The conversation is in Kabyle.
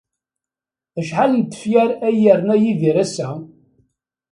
Acḥal n tefyar ay yerna Yidir ass-a?